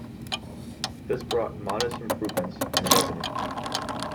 This brought modest improvements in revenue.